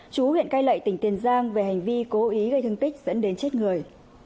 chú huyện cây lậy tỉnh tiền giang về hành vi cố ý gây thương tích dẫn đến chết người